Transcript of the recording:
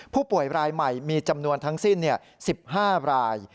ผู้ป่วยรายใหม่มีจำนวนทั้งสิ้น๑๕ราย